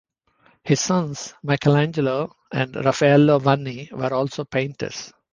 His sons, Michelangelo and Raffaello Vanni were also painters.